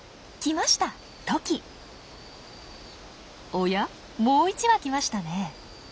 おやもう一羽来ましたね。